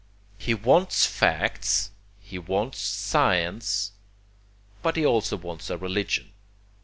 He wants facts; he wants science; but he also wants a religion.